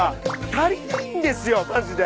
足りないんですよマジで。